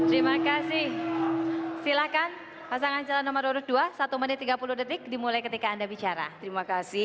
hai silakan pasangan celana menurut dua puluh satu menit tiga puluh detik dimulai ketika anda bicara terima kasih